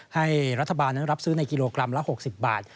ให้รัฐบาลนั้นรับซื้อในกิโลกรัมละ๖๐บาท